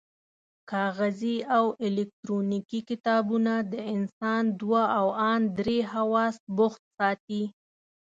کاغذي او الکترونیکي کتابونه د انسان دوه او ان درې حواس بوخت ساتي.